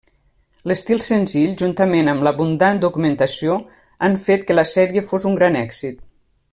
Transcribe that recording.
L'estil senzill juntament amb l'abundant documentació han fet que la sèrie fos un gran èxit.